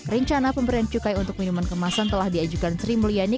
rencana pemberian cukai untuk minuman kemasan telah diajukan sri mulyani